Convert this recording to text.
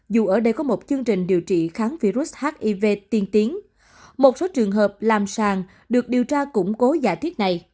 dù ở đây có một chương trình điều trị